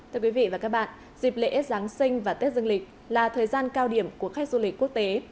dịp lễ giáng sinh và tết dương lịch là thời gian cao điểm của khách du lịch quốc tế